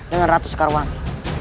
dengan ratu sekarwangi